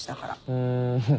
うん。